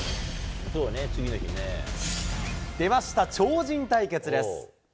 出ました、超人対決です。